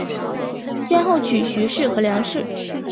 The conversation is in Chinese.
先后娶徐氏和梁氏。